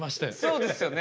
そうですよね。